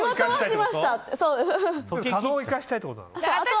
パンを生かしたいってこと？